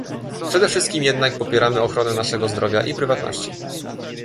Przede wszystkim jednak popieramy ochronę naszego zdrowia i prywatności